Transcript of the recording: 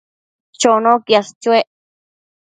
Chono quiash chuec